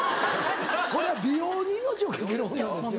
これは美容に命を懸ける女ですよ。